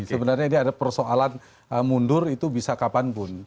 sebenarnya ini ada persoalan mundur itu bisa kapanpun